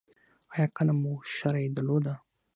ایا کله مو شری درلوده؟